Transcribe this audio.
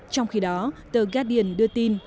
trong khi đó tờ guardian đưa tin